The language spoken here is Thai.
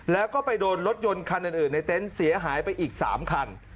แล้วก็ไปโดนรถยนต์คันอื่นในเต็นต์เสียหายไปอีก๓คัน